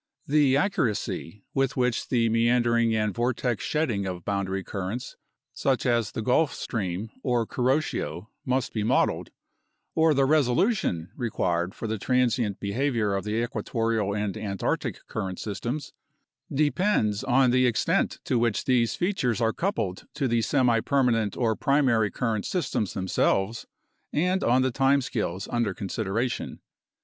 The accuracy with which the meandering and vortex shedding of boundary currents such as the Gulf Stream or Kuroshio must be modeled, or the resolution required for the transient behavior of the equatorial and Antarctic current systems, depends on the extent to which these features are coupled to the semipermanent or primary current systems themselves and on the time scales under con sideration.